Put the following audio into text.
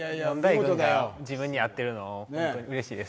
自分に合っているのが本当にうれしいです。